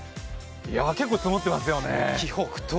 結構積もってますよね。